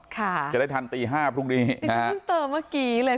ค่ะจะได้ทันตีห้าพรุ่งนี้อ่าเพิ่งเติมเมื่อกี้เลย